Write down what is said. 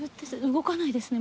動かないですね